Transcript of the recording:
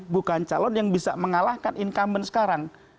bukan calon yang bisa mengalahkan incumbent sekarang